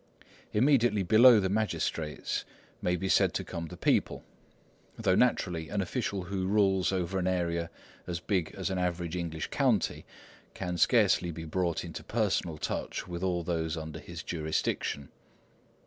Immediately below the magistrates may be said to come the people; though naturally an official who rules over an area as big as an average English county can scarcely be brought into personal touch with all those under his jurisdiction.